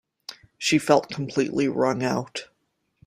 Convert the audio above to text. She felt completely wrung out.